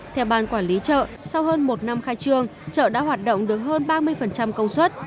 theo ban quản lý chợ sau hơn một năm khai trương chợ đã hoạt động được hơn ba mươi công suất